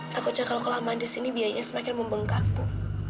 takutnya kalo kelamaan di sini biayanya semakin membengkak ibu